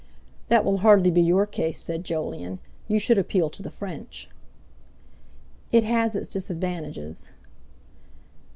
"That will hardly be your case," said Jolyon; "you should appeal to the French." "It has its disadvantages."